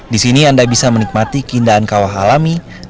di sini anda bisa menikmati keindahan kawah alam di raja